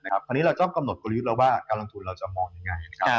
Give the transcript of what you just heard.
คราวนี้เราต้องกำหนดกลยุทธ์แล้วว่าการลงทุนเราจะมองยังไงนะครับ